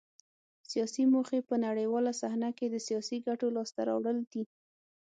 سیاسي موخې په نړیواله صحنه کې د سیاسي ګټو لاسته راوړل دي